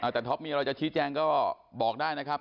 แต่ท็อปมีอะไรจะชี้แจงก็บอกได้นะครับ